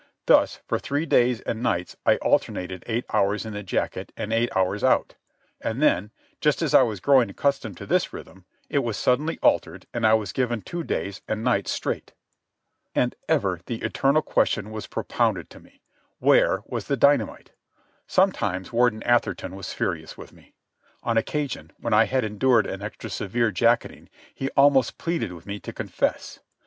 Thus, for three days and nights I alternated eight hours in the jacket and eight hours out. And then, just as I was growing accustomed to this rhythm, it was suddenly altered and I was given two days and nights straight. And ever the eternal question was propounded to me: Where was the dynamite? Sometimes Warden Atherton was furious with me. On occasion, when I had endured an extra severe jacketing, he almost pleaded with me to confess.